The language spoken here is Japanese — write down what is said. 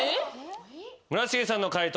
村重さんの解答